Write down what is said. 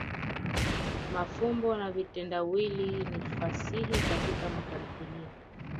mafumbo na vitendawili ni fasihi Katika tamthilia.